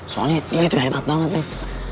soalnya dia itu hebat banget men